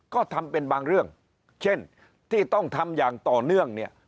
ก็ทำเป็นบางเรื่องเช่นที่ต้องทำอย่างต่อเนื่องเนี่ย